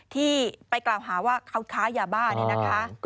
ที่ไปกล่าวหาว่าเขาค้ายาบ้านี่นะคะ